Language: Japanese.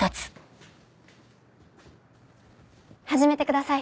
始めてください。